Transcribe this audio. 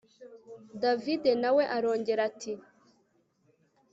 david nawe arongera ati